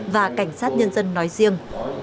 và cảnh sát nhân dân nói riêng